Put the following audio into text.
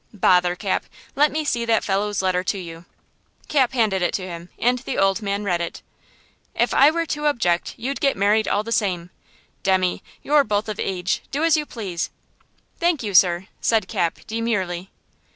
"Bother, Cap! Let me see that fellow's letter to you." Cap handed it to him and the old man read it. "If I were to object, you'd get married all the same! Demmy! you're both of age. Do as you please!" "Thank you, sir," said Cap, demurely.